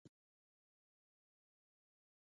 حق ته تسلیمیدل ولې پکار دي؟